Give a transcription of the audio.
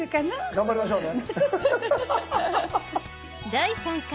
頑張りましょうね。